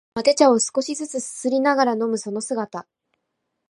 まさにマテ茶を少しづつすすりながら飲むその姿